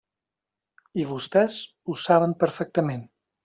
I vostès ho saben perfectament.